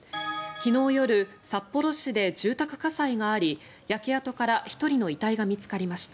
昨日夜、札幌市で住宅火災があり焼け跡から１人の遺体が見つかりました。